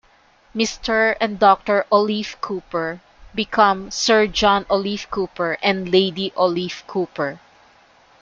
Mr. and Doctor Olliff-Cooper become Sir John Olliff-Cooper and Lady Olliff-Cooper.